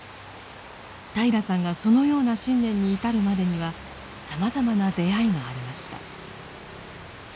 平良さんがそのような信念に至るまでにはさまざまな出会いがありました。